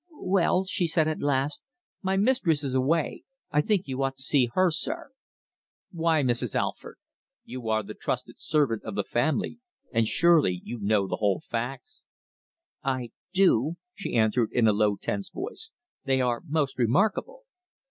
"Well," she said at last. "My mistress is away. I think you ought to see her, sir." "Why, Mrs. Alford? You are the trusted servant of the family, and surely you know the whole facts?" "I do," she answered in a low, tense voice. "They are most remarkable."